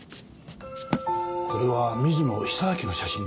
これは水野久明の写真ですね。